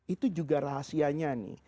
itu juga rahasianya nih